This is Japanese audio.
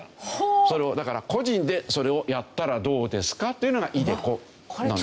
だから個人でそれをやったらどうですか？というのがｉＤｅＣｏなんです。